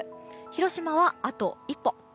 広島はあと一歩。